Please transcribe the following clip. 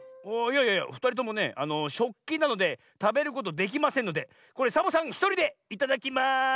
いやいやふたりともねしょっきなのでたべることできませんのでこれサボさんひとりでいただきます！